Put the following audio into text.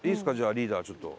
リーダーちょっと。